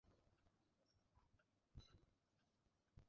তারা সেন্ট মিশেলের দিকে একটি ভেলায় চড়ে যাচ্ছিলো।